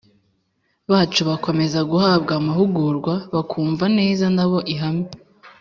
bacu bakomeza guhabwa amahugurwa bakumva neza na bo ihame